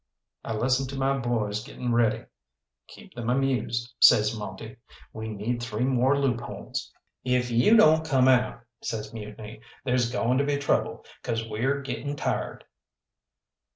I listened to my boys getting ready. "Keep them amused," says Monte; "we need three more loopholes." "If you don't come out," says Mutiny, "there's going to be trouble, 'cause we're gettin' tired."